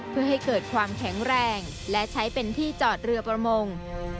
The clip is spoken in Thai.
เพื่อให้เกิดความแข็งแรงและใช้เป็นที่จอดเรือประมง